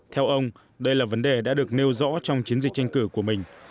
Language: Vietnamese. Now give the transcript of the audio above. theo ông đây là vấn đề đã được nêu rõ trong chiến dịch tranh cử của mình